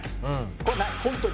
これないホントに。